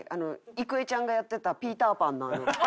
郁恵ちゃんがやってたピーターパンのあの。